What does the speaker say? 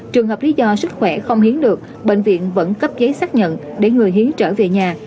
trường hợp lý do sức khỏe không hiến được bệnh viện vẫn cấp giấy xác nhận để người hiến trở về nhà